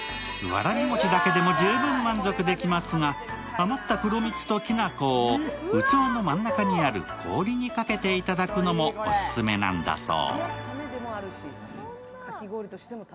わらび粉だけでも十分満足できますが余った黒蜜ときな粉を器の真ん中にある氷にかけていただくのもオススメなんだそう。